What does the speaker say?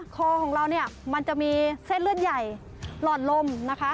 คอของเราเนี่ยมันจะมีเส้นเลือดใหญ่หลอดลมนะคะ